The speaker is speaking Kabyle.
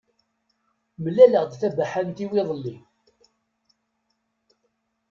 Mlaleɣ-d tabaḥant-iw iḍelli.